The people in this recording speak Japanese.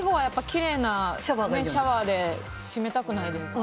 最後はきれいなシャワーで締めたくないですか？